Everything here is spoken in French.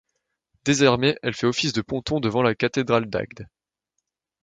Désarmée elle fait office de ponton devant la cathédrale d'Agde.